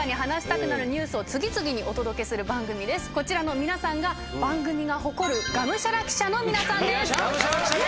こちらの皆さんが番組が誇るガムシャラ記者の皆さんです。